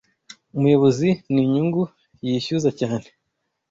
Umuyobozi ninyungu yishyuza cyane